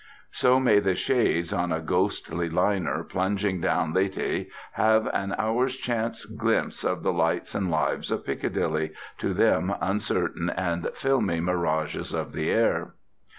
So may the shades on a ghostly liner, plunging down Lethe, have an hour's chance glimpse of the lights and lives of Piccadilly, to them uncertain and filmy mirages of the air.